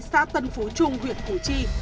xã tân phú trung huyện củ chi